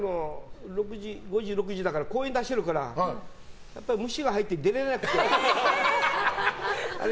５時、６時だから公園で走るから虫が入って出られない時ある。